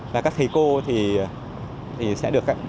và các thầy cô thì sẽ được